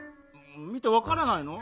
見てわからないの？